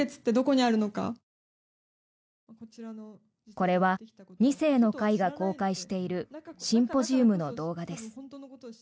これは二世の会が公開しているシンポジウムの動画です。